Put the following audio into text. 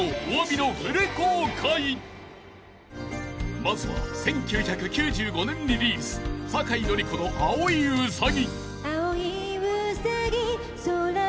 ［まずは１９９５年リリース酒井法子の『碧いうさぎ』］